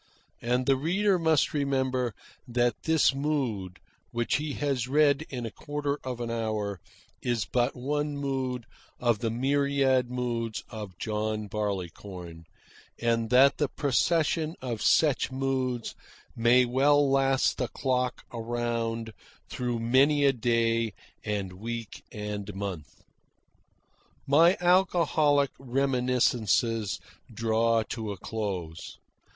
And the reader must remember that this mood, which he has read in a quarter of an hour, is but one mood of the myriad moods of John Barleycorn, and that the procession of such moods may well last the clock around through many a day and week and month. My alcoholic reminiscences draw to a close.